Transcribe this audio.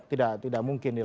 tidak tidak mungkin